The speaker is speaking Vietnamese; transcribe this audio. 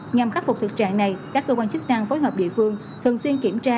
nhằm khắc phục thực trạng này các cơ quan chức năng phối hợp địa phương thường xuyên kiểm tra